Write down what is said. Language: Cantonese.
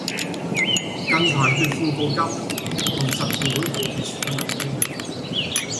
近排血庫告急，紅十字會呼籲市民捐血